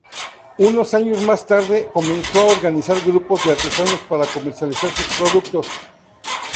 Unos años más tarde comenzó a organizar grupos de artesanos para comercializar sus productos.